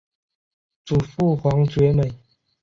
祖父黄厥美。